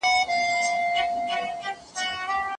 دروازې ورو وتړئ. د تندې نښې وپېژنئ.